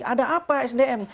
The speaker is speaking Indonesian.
ada apa sdm